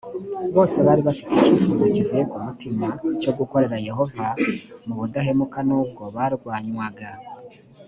bose bari bafite icyifuzo kivuye ku mutima cyo gukorera yehova mu budahemuka nubwo barwanywaga